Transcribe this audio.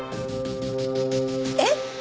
えっ！